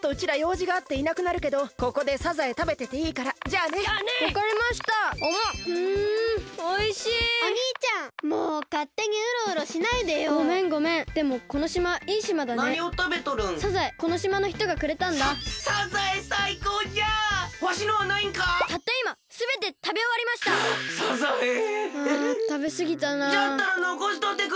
じゃったらのこしとってくれたらええのに！